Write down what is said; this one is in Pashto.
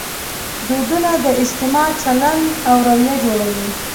دودونه د اجتماع چلند او رویه جوړوي.